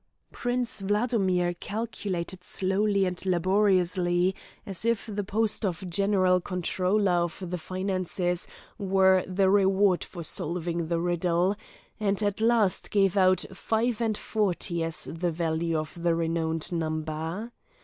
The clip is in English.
Prince Wladomir calculated slowly and laboriously, as if the post of general controller of the finances were the reward for solving the riddle, and at last gave out five and forty as the value of the renowned number.